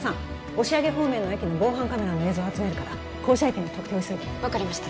押上方面の駅の防犯カメラの映像集めるから降車駅の特定を急いで分かりました